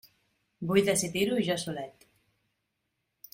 Vull decidir-ho jo solet!